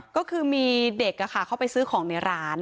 ก็คือมีเด็กเข้าไปซื้อของในร้าน